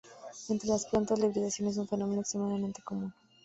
Entre las plantas la hibridación es un fenómeno extremadamente común.